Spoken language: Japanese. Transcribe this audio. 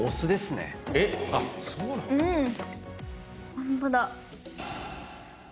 ホントだ。